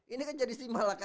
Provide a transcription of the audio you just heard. ini kan jadi simbal akam